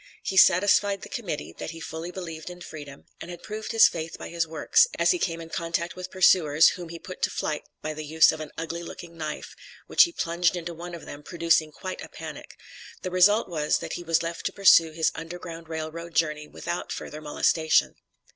He satisfied the Committee that he fully believed in freedom, and had proved his faith by his works, as he came in contact with pursuers, whom he put to flight by the use of an ugly looking knife, which he plunged into one of them, producing quite a panic; the result was that he was left to pursue his Underground Rail Road journey without further molestation.